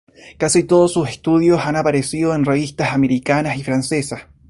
Casi todos sus estudios han aparecido en revistas americanas y francesas.